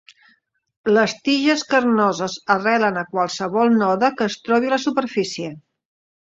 Les tiges carnoses arrelen a qualsevol node que es trobi a la superfície.